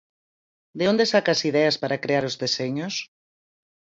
De onde saca as ideas para crear os deseños?